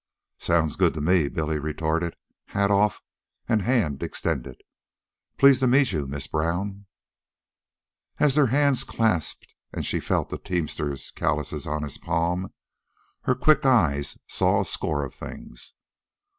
"Sounds good to me," Billy retorted, hat off and hand extended. "Pleased to meet you, Miss Brown." As their hands clasped and she felt the teamster callouses on his palm, her quick eyes saw a score of things.